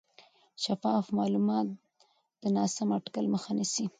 شفاف معلومات د ناسم اټکل مخه نیسي.